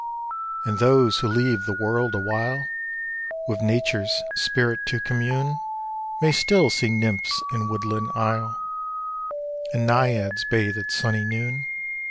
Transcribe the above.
And those who leave the world awhile With nature's spirit to commune, May still see nymphs in woodland aisle And naiads bathe at sunny noon.